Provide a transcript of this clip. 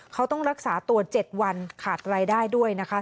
เขาต้องรักษาตัว๗วันขาดรายได้ด้วยนะคะ